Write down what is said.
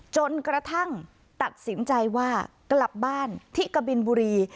จนกระทั่งตัดสินใจว่ากลับบ้านที่กบินบุรี